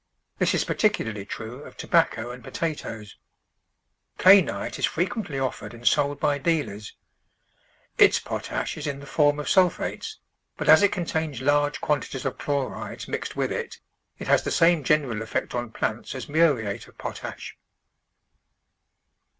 This is particularly true of tobacco and potatoes. Kainit is frequently offered and sold by dealers. HOW TO MAINTAIN FERTILITY Its potash is in the form of sulphates, but as it contains large quantities of chlorides mixed with it, it has the same general effect on plants as muri ate of potash.